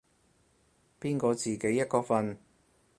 邊個自己一個瞓